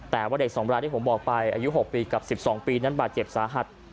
แต่ว่าเด็ก๒รายที่ผมบอกไปอายุ๖ปีกับ๑๒ปีนั้นบาดเจ็บสาหัส